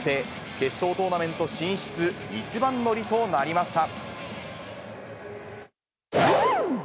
決勝トーナメント進出一番乗りとなりました。